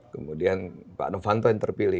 kemudian pak novanto yang terpilih